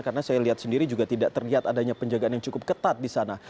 karena saya lihat sendiri juga tidak terlihat adanya penjagaan yang cukup ketat di sana